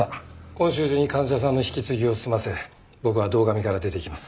今週中に患者さんの引き継ぎを済ませ僕は堂上から出て行きます。